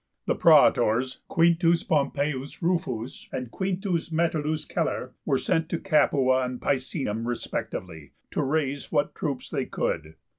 The praetors, Q. Pompeius Rufus and Q. Metellus Celer, were sent to Capua and Picenum respectively to raise what troops they could.